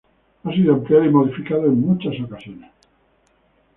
Ha sido ampliado y modificado en muchas ocasiones.